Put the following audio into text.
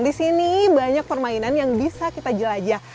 di sini banyak permainan yang bisa kita jelajah